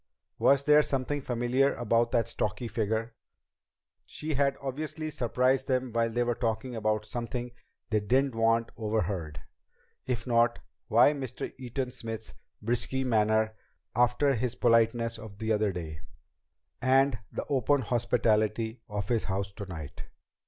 Was there something familiar about that stocky figure? She had obviously surprised them while they were talking about something they didn't want overheard. If not, why Mr. Eaton Smith's brusque manner after his politeness of the other day, and the open hospitality of his house tonight?